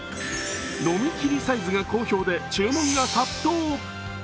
飲みきりサイズが好評で注文が殺到。